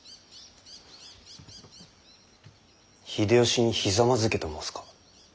秀吉にひざまずけと申すか。